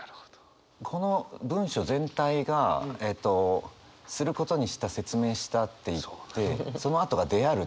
この文章全体がえっと「することにした」「説明した」って言ってそのあとが「である」